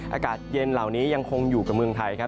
อากาศเย็นเหล่านี้ยังคงอยู่กับเมืองไทยครับ